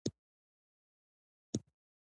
ایا ستاسو شکونه لرې نه شول؟